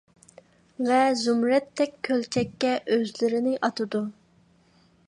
ۋە زۇمرەتتەك كۆلچەككە ئۆزلىرىنى ئاتىدۇ.